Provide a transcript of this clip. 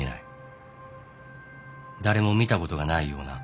誰も見たことがないような。